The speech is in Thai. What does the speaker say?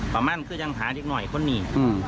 ประมาณเดี๋ยวหาอีกหน่อยคนหนี้